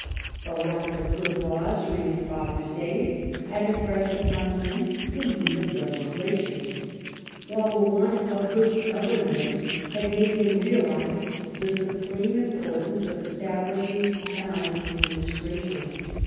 The lack of good laws during his father's days had impressed upon him the need of legis lation, while the want of good government had made him realise the supreme importance of establishing sound administration.